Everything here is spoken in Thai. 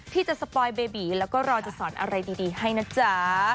ที่จะสปอยเบบีแล้วก็รอจะสอนอะไรดีให้นะจ๊ะ